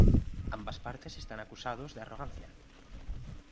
Ambas partes están acusados de arrogancia.